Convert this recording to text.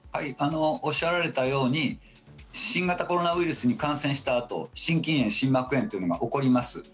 おっしゃられたように新型コロナウイルスに感染したあと心筋炎、心膜炎が起こります。